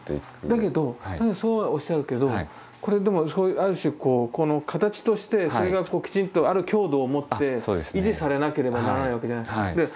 だけどそうはおっしゃるけどこれでもある種こうこの形としてそれがきちんとある強度をもって維持されなければならないわけじゃないですか。